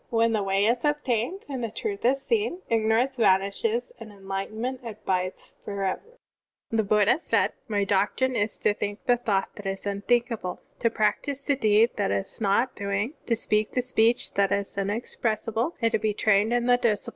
When the Way is attained and the truth is seen, ignorance vanishes and enlighten ment abides forever.*' (18) The Buddha said: "My doctrine is to think the thought that is tmthinkable, to prac tise the deed that is not doing, to speak the speech that is inexpressible, and to be trained in the discipline that is beyond discipline.